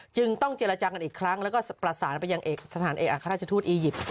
จึงต้องเจรจักรกันอีกครั้งแล้วก็ประสานไปยังสถานอียิปต์